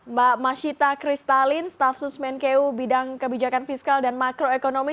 mbak masyita kristalin staff susmen ku bidang kebijakan fiskal dan makroekonomi